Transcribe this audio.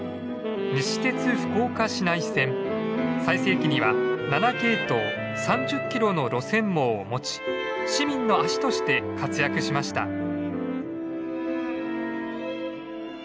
最盛期には７系統３０キロの路線網を持ち市民の足として活躍しました。